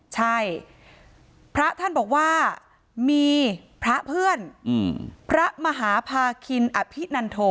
ใช่พระท่านบอกว่ามีพระเพื่อนพระมหาพาคินอภินันโท